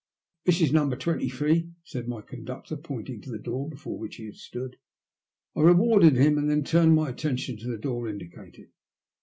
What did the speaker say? ▲ GBUESOME TALE. 63 " This is number 23," said my conductor, pointing to the door before which he stood. I rewarded him, and then turned my attention to the door indicated.